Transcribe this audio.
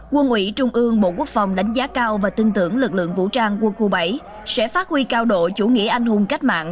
quân ủy trung ương bộ quốc phòng đánh giá cao và tin tưởng lực lượng vũ trang quân khu bảy sẽ phát huy cao độ chủ nghĩa anh hùng cách mạng